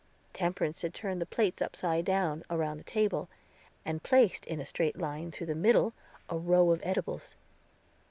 Temperance had turned the plates upside down around the table, and placed in a straight line through the middle a row of edibles.